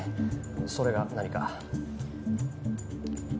それが何か？